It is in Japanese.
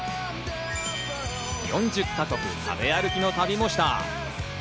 ４０か国食べ歩きの旅もした。